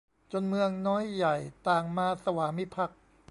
จนเมืองน้อยใหญ่ต่างมาสวามิภักดิ์